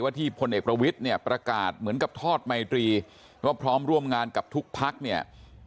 ที่พลเอกประวิทย์เนี่ยประกาศเหมือนกับทอดไมตรีว่าพร้อมร่วมงานกับทุกพักเนี่ย